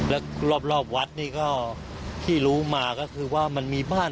และกลอบวัสล์ที่รู้มาก็คือว่ามันมีบ้าน